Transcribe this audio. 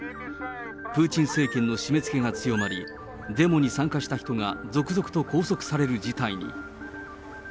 プーチン政権の締めつけが強まり、デモに参加した人が続々と拘束される事態に。